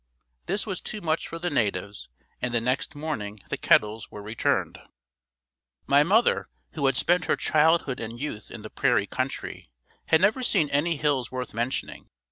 This was too much for the natives and the next morning the kettles were returned. My mother, who had spent her childhood and youth in the prairie country, had never seen any hills worth mentioning.